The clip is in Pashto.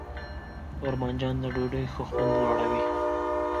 تور بانجان د ډوډۍ ښه خوند لوړوي.